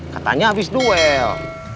katanya habis duel